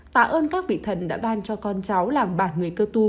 tạ ơn các vị thần đã ban cho con cháu làm bản người cơ tu